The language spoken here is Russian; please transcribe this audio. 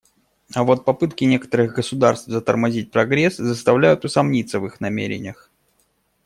А вот попытки некоторых государств затормозить прогресс заставляют усомниться в их намерениях.